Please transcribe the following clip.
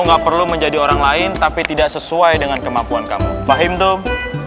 nggak perlu menjadi orang lain tapi tidak sesuai dengan kemampuan kamu pahit tuh